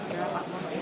di tuan ibu ani